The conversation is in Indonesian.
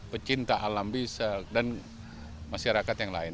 pecinta alam bisa dan masyarakat yang lain